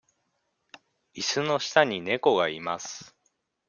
いすの下に猫がいます。